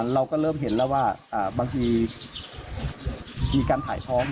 เราก็เริ่มเห็นแล้วว่าบางทีมีการถ่ายท้อง